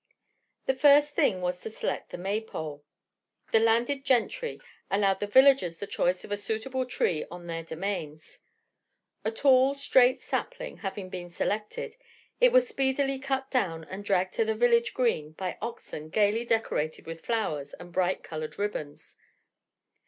The first thing was to select the May pole. The landed gentry allowed the villagers the choice of a suitable tree on their domains. A tall, straight sapling having been selected, it was speedily cut down and dragged to the village green by oxen gayly decorated with flowers and bright colored ribbons.